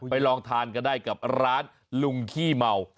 ลองทานกันได้กับร้านลุงขี้เมา